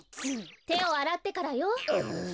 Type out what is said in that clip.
てをあらってからよ。